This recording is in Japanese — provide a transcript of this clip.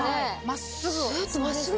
真っすぐ。